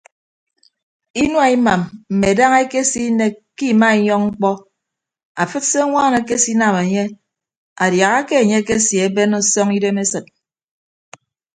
Inua imam mme daña ekese inek ke imainyọñ mkpọ afịd se añwaan ekesinam enye adiaha ke enye akese ben ọsọñ idem esịt.